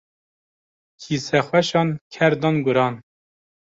Qîsexweşan ker dan guran.